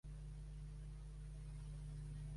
Fulminante va ésser condemnat amb sentència de mort.